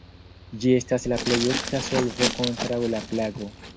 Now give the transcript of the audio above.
Ĝi estas la plej ofta solvo kontraŭ la plago.